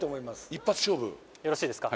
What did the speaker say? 一発勝負よろしいですか？